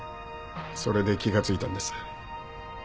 それで気が付いたんです。